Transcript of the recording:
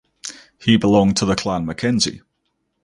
He belonged to the Clan Mackenzie.